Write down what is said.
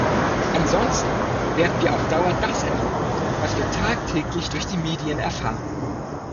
Ansonsten werden wir auf Dauer das erleben, was wir tagtäglich durch die Medien erfahren.